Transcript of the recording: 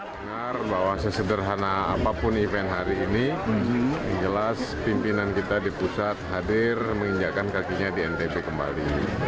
dengar bahwa sesederhana apapun event hari ini jelas pimpinan kita di pusat hadir menginjakkan kakinya di ntb kembali